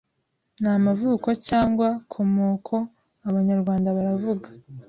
n’a m a v u ko cya n g wa ko m o ko Abanyarwanda baravuga